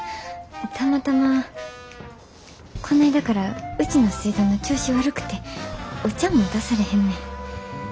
たまたまこないだからうちの水道の調子悪くてお茶も出されへんねん。